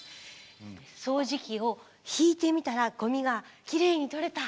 掃除機を引いてみたらゴミがきれいに取れた。